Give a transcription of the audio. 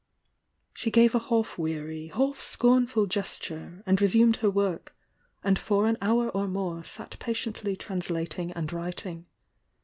She gave a half weary, half scornful gesture, ai'.d resumed her work, and for an hour or more sut patiently translating and writing.